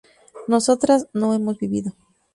nosotras no hemos vivido